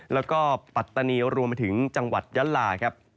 แล้วก็ปัตตาเนียวรวมมาถึงจังหวัดยัลล่า